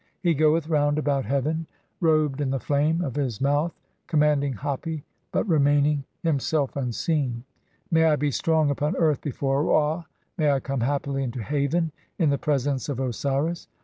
(35) He goeth round about heaven robed "in the flame of his mouth, commanding Hapi, but remaining 56 THE CHAPTERS OF COMING FORTH BY DAY. "himself unseen. May I be strong upon earth before Ra, may "I come happily into haven (36) in the presence of Osiris.